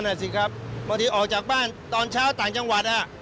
นั่นสิครับบางทีออกจากบ้านตอนเช้าต่างจังหวัด